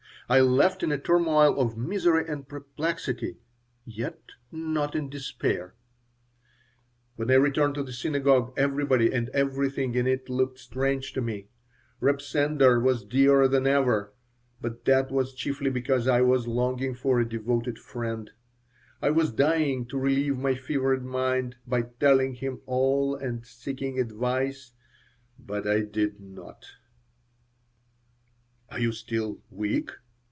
I left in a turmoil of misery and perplexity, yet not in despair When I returned to the synagogue everybody and everything in it looked strange to me. Reb Sender was dearer than ever, but that was chiefly because I was longing for a devoted friend. I was dying to relieve my fevered mind by telling him all and seeking advice, but I did not "Are you still weak?"